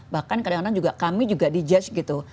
bahkan kadang kadang juga kami juga di judge gitu